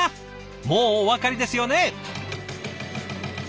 もうお分かりですよね？